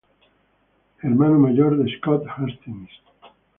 Hermano mayor de Scott Hastings.